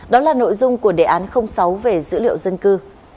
đó là nội dung của đề án sáu về dữ liệu dân cư